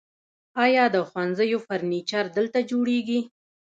آیا د ښوونځیو فرنیچر دلته جوړیږي؟